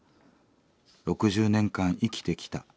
６０年間生きてきた。